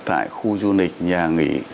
tại khu du lịch nhà nghỉ